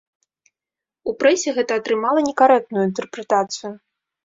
У прэсе гэта атрымала некарэктную інтэрпрэтацыю.